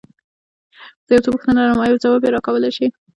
زه يو څو پوښتنې لرم، ايا ځواب يې راکولی شې؟